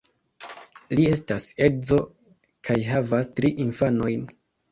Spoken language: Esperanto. Li estas edzo kaj havas tri infanojn.